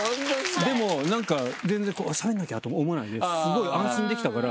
でもなんか全然しゃべんなきゃとも思わないでスゴい安心できたから。